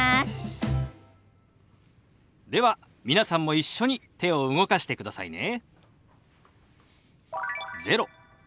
では皆さんも一緒に手を動かしてくださいね。